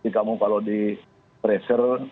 kamu kalau di pressure